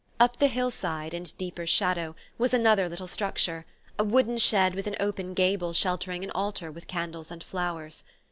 Up the hillside, in deeper shadow, was another little structure; a wooden shed with an open gable sheltering an altar with candles and flowers.